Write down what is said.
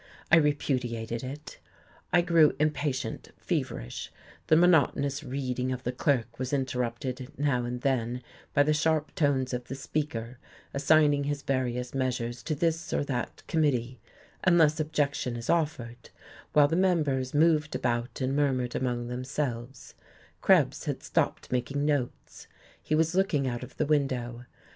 I repudiated it. I grew impatient, feverish; the monotonous reading of the clerk was interrupted now and then by the sharp tones of the Speaker assigning his various measures to this or that committee, "unless objection is offered," while the members moved about and murmured among themselves; Krebs had stopped making notes; he was looking out of the window.